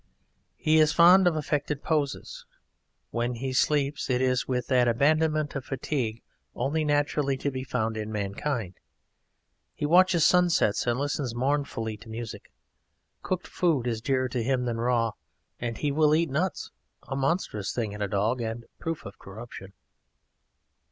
He is fond of affected poses. When he sleeps it is with that abandonment of fatigue only naturally to be found in mankind. He watches sunsets and listens mournfully to music. Cooked food is dearer to him than raw, and he will eat nuts a monstrous thing in a dog and proof of corruption.